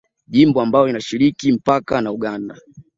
Jimbo ambalo linashiriki mpaka na Uganda